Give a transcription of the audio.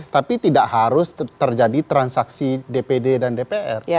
tapi tidak harus terjadi transaksi dpd dan dpr